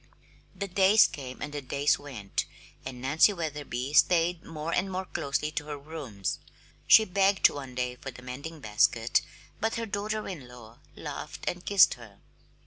The days came and the days went, and Nancy Wetherby stayed more and more closely to her rooms. She begged one day for the mending basket, but her daughter in law laughed and kissed her.